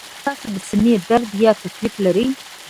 ایا تاسو د سینې درد یا تکلیف لرئ؟